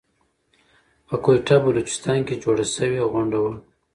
په کويټه بلوچستان کې جوړه شوى غونډه وه .